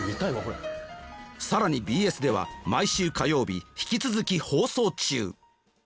更にＢＳでは毎週火曜日引き続き放送中！